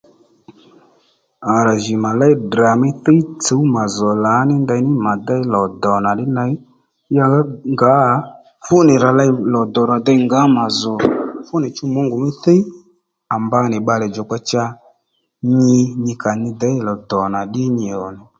À jì mà léy Ddrà mí thíy tsǔw mà zz ò lǎní ndení mà déy lò do nà ddí ney ya ngǎ fú nì rà ley lò do ra dey ngǎ mà zz ò fú nì chú Mungu mí thíy à mba nì bbalè djòkpa cha nyi nyikà nyi dey lò dò nà ddí nyi zz ò